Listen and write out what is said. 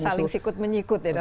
saling sikut menyikut ya